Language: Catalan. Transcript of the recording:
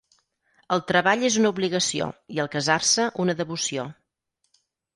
El treball és una obligació, i el casar-se una devoció